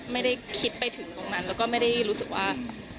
ไม่ได้คิดไปถึงตรงนั้นแล้วก็ไม่ได้รู้สึกว่า